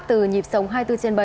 từ nhịp sống hai mươi bốn trên bảy